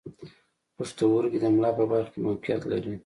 پښتورګي د ملا په برخه کې موقعیت لري.